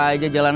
siapa sih nek